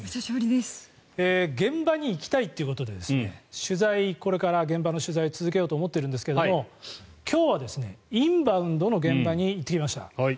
現場に行きたいということで現場の取材をこれから続けたいと思っているんですが今日はインバウンドの現場に行ってきました。